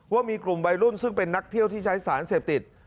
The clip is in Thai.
ว่ามีกลุ่มวัยรุ่นซึ่งเป็นนักเที่ยวที่ใช้สารเสพติด